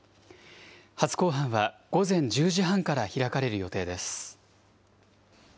初公判は午前１０時半から開かれる予定です。